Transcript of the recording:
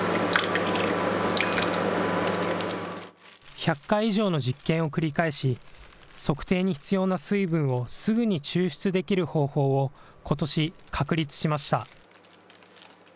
１００回以上の実験を繰り返し、測定に必要な水分をすぐに抽出できる方法をことし確立しました。